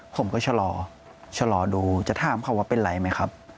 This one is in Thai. ผมก็ชะลอชะลอดูจะถามเขาว่าเป็นไรไหมครับ